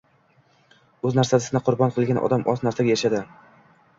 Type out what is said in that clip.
Oz narsani qurbon qilgan odam, oz narsaga erishadi.